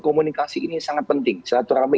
komunikasi ini sangat penting selatu rame